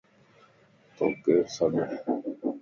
توڪ ڪير سَڏ؟